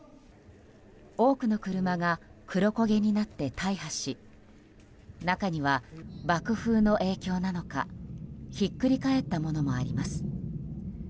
多くの車が黒焦げになって大破し中には爆風の影響なのかひっくり返ったものもあります。